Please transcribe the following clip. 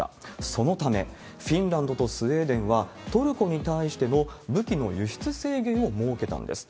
そのため、フィンランドとスウェーデンは、トルコに対しての武器の輸出制限を設けたんです。